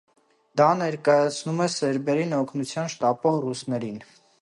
Դա ներկայացնում է սերբերին օգնության շտապող ռուսներին։